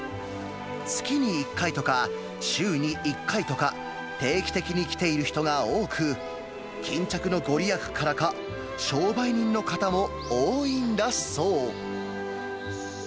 月に１回とか、週に１回とか、定期的に来ている人が多く、巾着のご利益からか、商売人の方も多いんだそう。